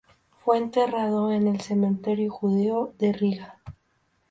Fue enterrado en el cementerio judío de Riga.